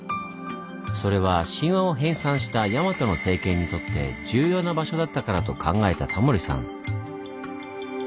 それは神話を編纂した大和の政権にとって重要な場所だったからと考えたタモリさん。